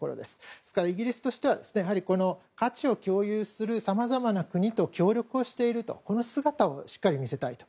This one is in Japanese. ですから、イギリスとしては価値を共有する、さまざまな国と協力をしているという姿をしっかり見せたいと。